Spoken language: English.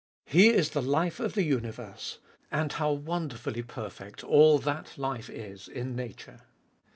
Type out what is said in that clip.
He is the life of the uniuerse. And how wonderfully perfect all that life is in nature.